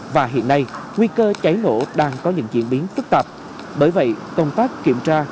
và hiện nay nguy cơ cháy nổ đang có những diễn biến phức tạp bởi vậy công tác kiểm tra